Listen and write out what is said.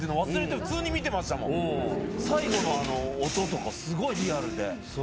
最後の音とかすごいリアルで。